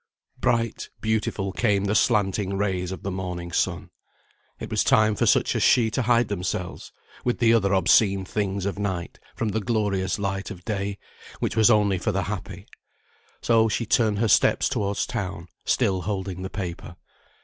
Bright, beautiful came the slanting rays of the morning sun. It was time for such as she to hide themselves, with the other obscene things of night, from the glorious light of day, which was only for the happy. So she turned her steps towards town, still holding the paper.